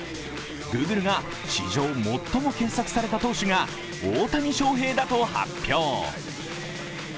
グーグルが史上最も検索された投手が大谷翔平だと発表。